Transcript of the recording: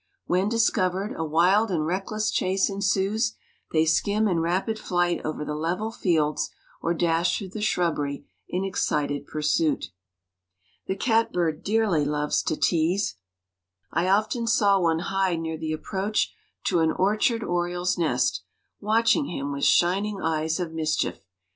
When discovered, a wild and reckless chase ensues; they skim in rapid flight over the level fields, or dash through the shrubbery in excited pursuit. The catbird dearly loves to tease. I often saw one hide near the approach to an orchard oriole's nest, watching him with shining eyes of mischief.